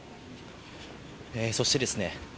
そしてですね